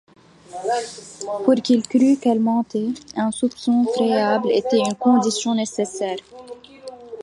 Pour qu’il crût qu’elle mentait, un soupçon préalable était une condition nécessaire.